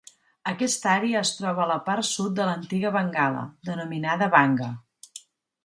Aquesta àrea es troba a la part sud de l'antiga Bengala, denominada Vanga.